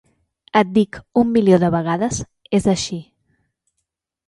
Et dic, un milió de vegades, és així.